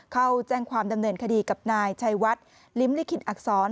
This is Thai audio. เข้าแจ้งความดำเนินคดีกับนายชัยวัดลิ้มลิขิตอักษร